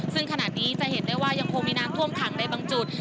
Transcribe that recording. ซึ่งขนาดนี้ก็จะเห็นได้ว่ายังคงมีนางท่วงศัตริย์ในบางจุด